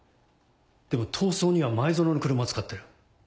でも逃走には前薗の車を使ってる。